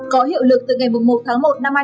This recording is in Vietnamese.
có hiệu lực từ ngày một một một hai nghìn hai mươi hai